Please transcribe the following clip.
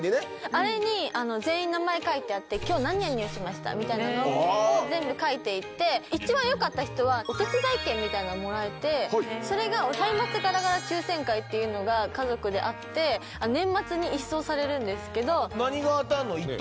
あれに全員の名前書いてあって、きょう何々をしましたみたいなのを全部書いていって、一番よかった人は、お手伝い券みたいなのをもらえて、それが歳末ガラガラ抽せん会っていうのが家族であって、何が当たんの？